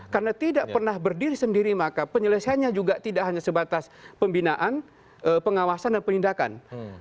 karena tidak pernah berdiri sendiri maka penyelesaiannya juga tidak hanya sebatas pembinaan pengawasan dan penindakan